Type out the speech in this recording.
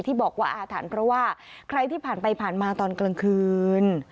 ที่บอกว่าอาถรรพ์เพราะว่าใครที่ผ่านไปผ่านมาตอนกลางคืน